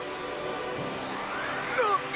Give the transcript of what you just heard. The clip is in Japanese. なっ！